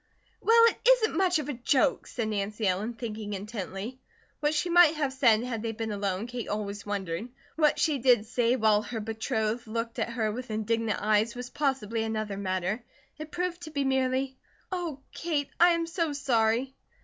"Well, it isn't much of a joke," said Nancy Ellen, thinking intently. What she might have said had they been alone, Kate always wondered. What she did say while her betrothed looked at her with indignant eyes was possibly another matter. It proved to be merely: "Oh, Kate, I am so sorry!"